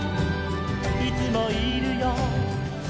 「いつもいるよ」